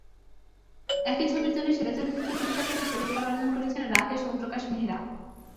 একই ছবির জন্য সেরা চলচ্চিত্র পরিচালকের পুরস্কার অর্জন করেছেন রাকেশ ওমপ্রকাশ মেহরা।